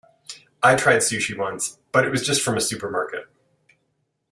I tried sushi once, but it was from a supermarket.